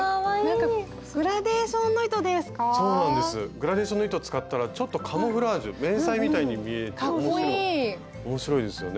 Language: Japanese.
グラデーションの糸使ったらちょっとカムフラージュ迷彩みたいに見えて面白いですよね。